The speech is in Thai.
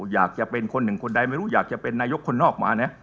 อยากจะเป็นคนหนึ่งคนใดไม่รู้อยากจะเป็นนายกคนนอกมาเนี่ย